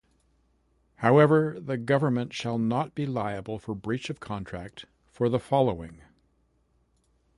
However, the Government shall not be liable for breach of contract for the following: